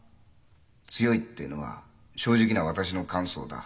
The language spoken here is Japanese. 強いってのは正直な私の感想だ。